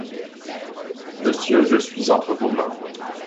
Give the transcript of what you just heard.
Monsieur, je suis entre vos mains.